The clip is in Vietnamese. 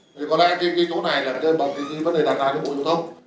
thì có lẽ cái chỗ này là bằng cái gì vấn đề đặt ra cho bộ chủ tâm